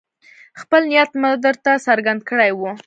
خپل نیت مې درته څرګند کړی وو.